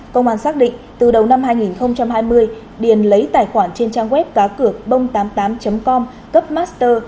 công an xác định từ đầu năm hai nghìn hai mươi điền lấy tài khoản trên trang web cá cược bông tám mươi tám com cấp master